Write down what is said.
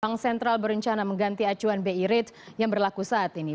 bank sentral berencana mengganti acuan bi rate yang berlaku saat ini